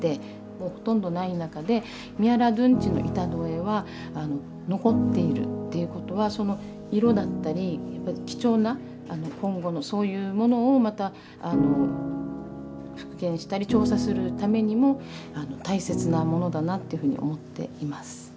もうほとんどない中で宮良殿内の板戸絵は残っているっていうことはその色だったりやっぱり貴重な今後のそういうものをまた復元したり調査するためにも大切なものだなっていうふうに思っています。